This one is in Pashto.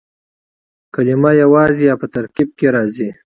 کلیمه یوازي یا په ترکیب کښي راځي.